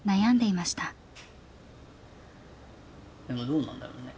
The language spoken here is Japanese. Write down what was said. でもどうなんだろうね。